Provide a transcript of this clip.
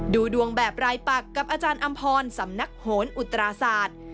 ดูดวงแบบรายปักกับอาจารย์อำพรสำนักโหนอุตราศาสตร์